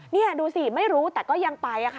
นี่ดูสิไม่รู้แต่ก็ยังไปค่ะ